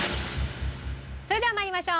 それでは参りましょう。